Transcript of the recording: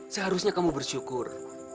seharusnya kamu bersyukur